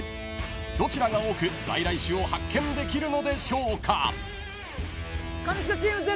［どちらが多く在来種を発見できるのでしょうか］